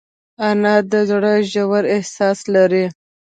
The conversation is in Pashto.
انا د زړه ژور احساس لري